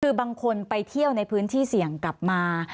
คือบางคนไปเที่ยวในพื้นที่เสี่ยงกลับมา